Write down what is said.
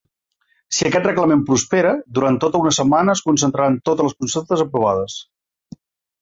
Si aquest reglament prospera, durant tota una setmana es concentraran totes les consultes aprovades.